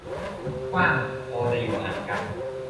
กว้างพอจะอยู่ห่างกัน